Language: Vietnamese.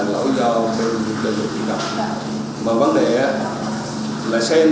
cô quyền phải không bị chóng